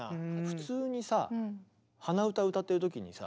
普通にさ鼻歌歌ってる時にさ